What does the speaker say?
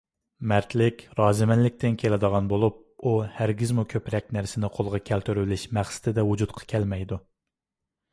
مەردلىك رازىمەنلىكتىن كېلىدىغان بولۇپ، ئۇ ھەرگىزمۇ كۆپرەك نەرسىنى قولغا كەلتۈرۈۋېلىش مەقسىتىدە ۋۇجۇدقا كەلمەيدۇ.